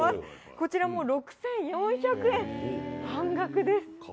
こちらも６４００円、半額です。